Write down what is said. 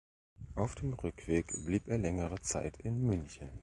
Auf dem Rückweg blieb er längere Zeit in München.